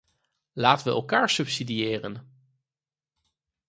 Laten we elkaar subsidiëren.